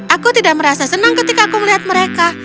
aku tidak merasa senang ketika aku melihat mereka